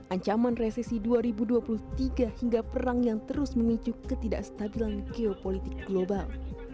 ancaman resesi dua ribu dua puluh tiga hingga perang yang terus memicu ketidakstabilan geopolitik global